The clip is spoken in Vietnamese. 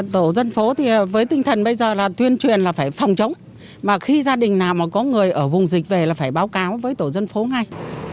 tổ dân phố thì với tinh thần bây giờ là tuyên truyền là phải phòng chống mà khi gia đình nào mà có người ở vùng dịch về là phải báo cáo với tổ dân phố ngay